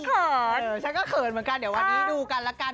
เขินฉันก็เขินเหมือนกันเดี๋ยววันนี้ดูกันละกัน